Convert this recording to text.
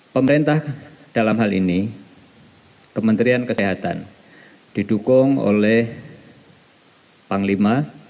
pemerintah dalam hal ini kementerian kesehatan didukung oleh panglima